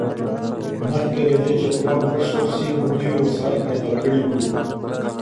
مخکي له دې چي پلان بشپړ سي موږ نوي وسايل پيدا کړي وو.